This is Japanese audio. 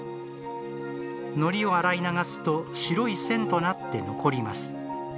糊を洗い流すと白い線となって残ります。